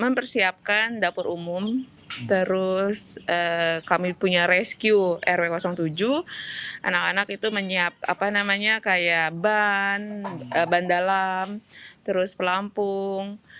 mempersiapkan dapur umum terus kami punya rescue rw tujuh anak anak itu menyiapkan apa namanya kayak ban ban dalam terus pelampung